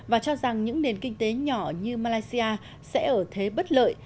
và cho rằng những nền kinh tế nhỏ như malaysia sẽ ở thế bất lợi